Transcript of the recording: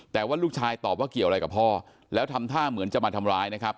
แต่ว่าลูกชายตอบว่าเกี่ยวอะไรกับพ่อแล้วทำท่าเหมือนจะมาทำร้ายนะครับ